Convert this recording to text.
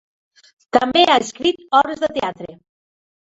També ha escrit obres de teatre.